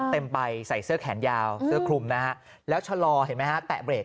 เต็มไปใส่เสื้อแขนยาวแล้วชะลอเห็นไหมนะแตะเบรก